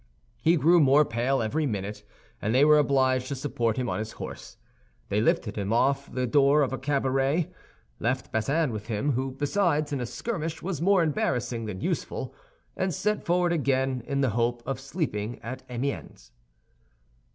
He grew more pale every minute, and they were obliged to support him on his horse. They lifted him off at the door of a cabaret, left Bazin with him, who, besides, in a skirmish was more embarrassing than useful, and set forward again in the hope of sleeping at Amiens.